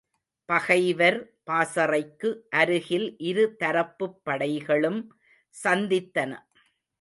பகைவர் பாசறைக்கு அருகில் இரு தரப்புப் படைகளும் சந்தித்தன.